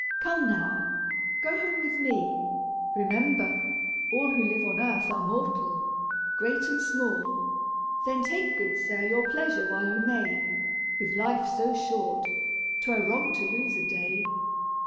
Come now, go home with me: remember, all Who live on earth are mortal, great and small: Then take, good sir, your pleasure while you may; With life so short, 'twere wrong to lose a day."